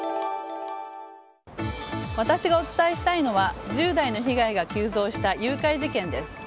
私がお伝えしたいのは１０代の被害が急増した誘拐事件です。